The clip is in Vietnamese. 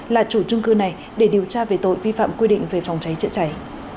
là chủ trung cư này để điều tra về tội vi phạm quy định về phòng cháy chữa cháy